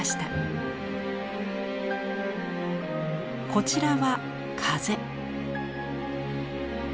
こちらは「風」。